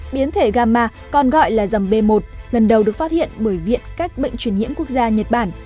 biến thể gama còn gọi là dầm b một lần đầu được phát hiện bởi viện các bệnh truyền nhiễm quốc gia nhật bản